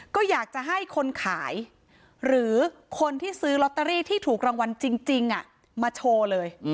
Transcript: ก็อยากจะให้คนขายหรือคนที่ซื้อลอตเตอรี่ที่ถูกรางวัลจริงมาโชว์เลย